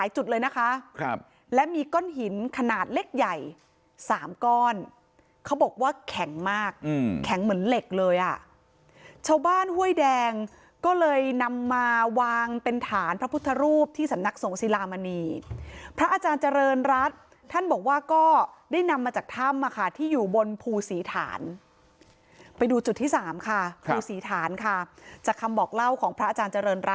จุดเลยนะคะและมีก้อนหินขนาดเล็กใหญ่๓ก้อนเขาบอกว่าแข็งมากแข็งเหมือนเหล็กเลยอ่ะชาวบ้านห้วยแดงก็เลยนำมาวางเป็นฐานพระพุทธรูปที่สำนักสงศิลามณีพระอาจารย์เจริญรัฐท่านบอกว่าก็ได้นำมาจากถ้ำที่อยู่บนภูศรีฐานไปดูจุดที่๓ค่ะภูศรีฐานค่ะจากคำบอกเล่าของพระอาจารย์เจริญร